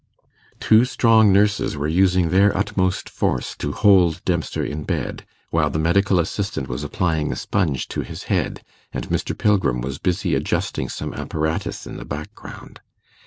Two strong nurses were using their utmost force to hold Dempster in bed, while the medical assistant was applying a sponge to his head, and Mr. Pilgrim was busy adjusting some apparatus in the background.